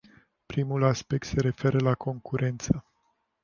Primul aspect se referă la concurență.